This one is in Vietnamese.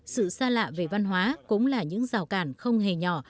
sự xa lạ về văn hóa cũng là những rào cản không hề nhỏ